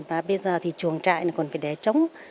và bây giờ thì chuồng trại còn phải để chống